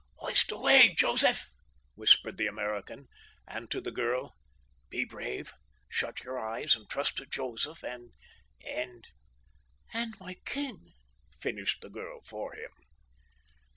"Hoist away, Joseph!" whispered the American, and to the girl: "Be brave. Shut your eyes and trust to Joseph and—and—" "And my king," finished the girl for him.